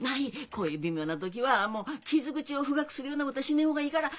こういう微妙な時は傷口を深くするようなことはしねえ方がいいから。